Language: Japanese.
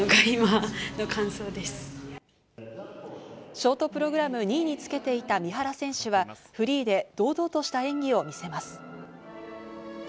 ショートプログラム２位につけていた三原選手は、フリーで堂々とした演技を見せます。